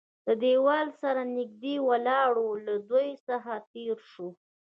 له دېوال سره نږدې ولاړ و، له دوی څخه تېر شوو.